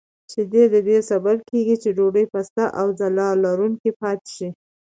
شیدې د دې سبب کېږي چې ډوډۍ پسته او ځلا لرونکې پاتې شي.